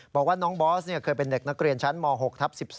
บอกว่าน้องบอสเคยเป็นเด็กนักเรียนชั้นม๖ทับ๑๒